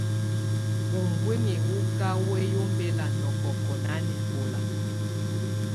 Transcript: Ubuinyii wù kà wǝ́yi ɔmbɛla nɔkɔkɔ̂ nanɛkɔla.